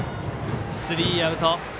スリーアウト。